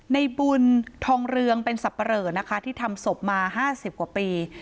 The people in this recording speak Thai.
ในบุญทองเรืองเป็นสับปะเหลอนะคะที่ทำศพมา๕๐กว่าปี